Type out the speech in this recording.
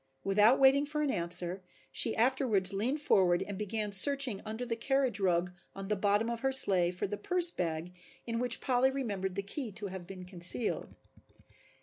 Without waiting for an answer she afterwards leaned forward and began searching under the carriage rug on the bottom of her sleigh for the purse bag in which Polly remembered the key to have been concealed.